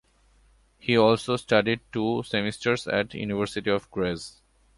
He also studied two semesters at the University of Graz.